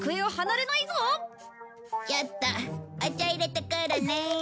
ちょっとお茶いれてくるね。